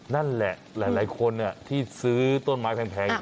นั่นแหละหลายคนอ่ะที่ซื้อต้นไม้แพงอย่างนี้ไป